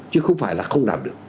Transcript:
chứ không phải là không làm được